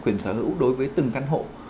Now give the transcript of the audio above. quyền sở hữu đối với từng căn hộ